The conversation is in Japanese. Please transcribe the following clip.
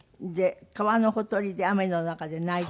川のほとりで雨の中で鳴いていた。